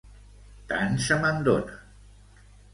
Tant se me'n dona.